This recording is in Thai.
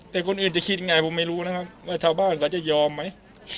แต่คนอื่นจะคิดยังไงผมไม่รู้นะครับว่าชาวบ้านเขาจะยอมไหม